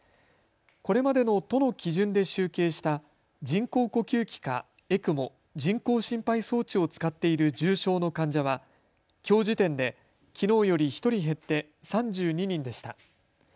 これまでの都の基準で集計した人工呼吸器かＥＣＭＯ・人工心肺装置を使っている重症の患者はきょう時点できのうより１人減って３２人でした。